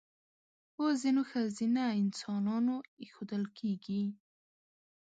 په ځینو ښځینه انسانانو اېښودل کېږي.